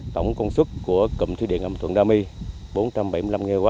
tổng công suất của cụm thủy điện hàm thuận đa mi bốn trăm bảy mươi năm mw